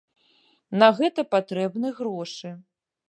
На гэта патрэбны грошы.